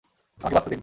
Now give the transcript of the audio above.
আমাকে বাঁচতে দিন!